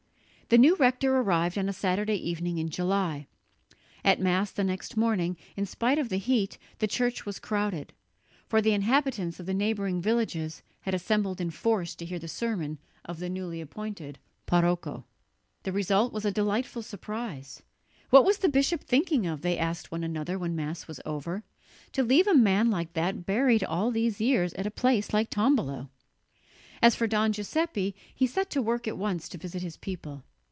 The new rector arrived on a Saturday evening in July. At Mass the next morning, in spite of the heat, the church was crowded, for the inhabitants of the neighbouring villages had assembled in force to hear the sermon of the newly appointed parroco. The result was a delightful surprise. "What was the bishop thinking of," they asked one another when Mass was over, "to leave a man like that buried all these years at a place like Tombolo?" As for Don Giuseppe, he set to work at once to visit his people.